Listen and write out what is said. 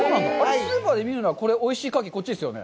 スーパーで見るのはおいしいカキ、こっちですよね？